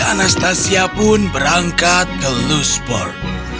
anastasia pun berangkat ke loosboard